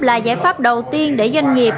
là giải pháp đầu tiên để doanh nghiệp